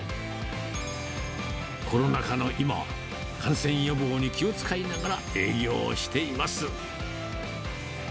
コロナ禍の今、感染予防に気を遣いながら、営業しています。